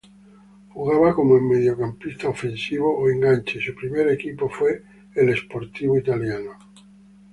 Jugaba como mediocampista ofensivo o enganche y su primer equipo fue Sportivo Italiano.